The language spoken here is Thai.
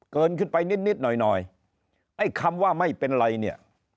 เกินขึ้นไปนิดนิดหน่อยหน่อยไอ้คำว่าไม่เป็นไรเนี่ย